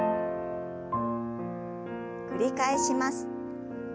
繰り返します。